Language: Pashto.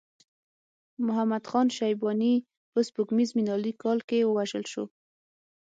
محمد خان شیباني په سپوږمیز میلادي کال کې ووژل شو.